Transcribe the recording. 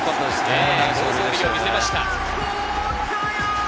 好走塁を見せました。